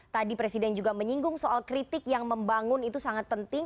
tadi presiden juga menyinggung soal kritik yang membangun itu sangat penting